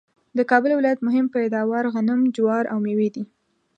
د کابل ولایت مهم پیداوار غنم ،جوار ، او مېوې دي